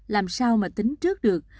làm sao mà tính trước được